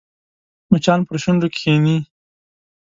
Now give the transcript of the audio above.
مچان پر شونډو کښېني